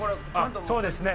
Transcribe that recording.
そうですね。